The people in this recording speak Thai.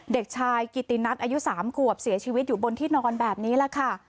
เด็กชายกิตินัทอายุ๓ขวบเสียชีวิตอยู่บนที่นอนแบบนี้แหละค่ะ